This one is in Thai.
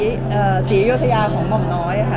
เล่นสีโยธยาของหม่อมน้อย